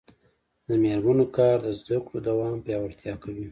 د میرمنو کار د زدکړو دوام پیاوړتیا کوي.